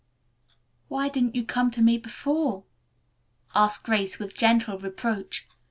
"Why didn't you come to me before?" asked Grace with gentle reproach.